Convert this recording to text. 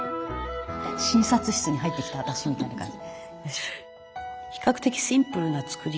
診察室に入ってきた私みたいな感じ。